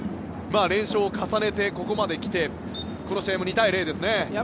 連勝を重ねてここまで来てこの試合も２対０ですね。